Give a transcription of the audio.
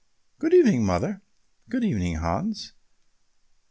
"Good evening, mother." "Good evening, Hans.